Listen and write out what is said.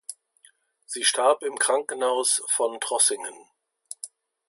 Sie starb im Krankenhaus von Trossingen.